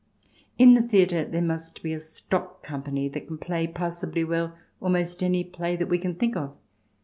In the theatre there must be a stock company that can play passably well almost any play that we can think of.